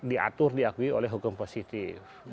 diatur diakui oleh hukum positif